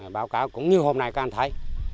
báo cáo cũng như hôm nay các anh thấy